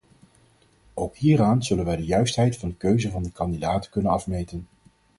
Ook hieraan zullen wij de juistheid van de keuze van de kandidaten kunnen afmeten.